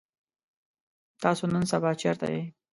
تاسو نن سبا چرته يئ؟